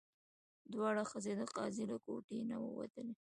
دواړه ښځې د قاضي له کوټې نه ووتلې.